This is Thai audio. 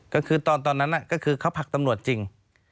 ก็คือตอนนั้นก็คือเขาผลักตำรวจจริง